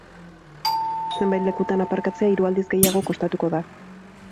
Zenbait lekutan aparkatzea hiru aldiz gehiago kostatuko da.